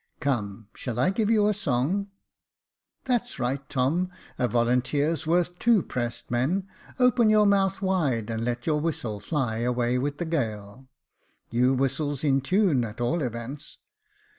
" Come, shall I give you a song ?"" That's right, Tom j a volunteer's worth two pressed men. Open your mouth wide, an' let your whistle fly away with the gale. You whistles in tune, at all events."